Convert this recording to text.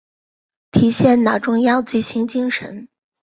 体现党中央最新精神